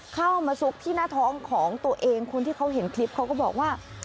เข้ามาซุกที่หน้าท้องของตัวเองคนที่เขาเห็นคลิปเขาก็บอกว่า